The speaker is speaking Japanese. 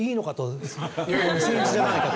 僭越じゃないかと。